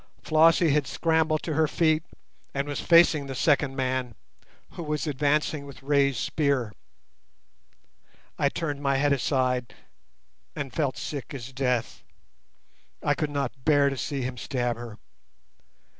Flossie had scrambled to her feet and was facing the second man, who was advancing with raised spear. I turned my head aside and felt sick as death. I could not bear to see him stab her.